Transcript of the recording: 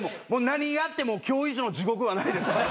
何やっても今日以上の地獄はないです。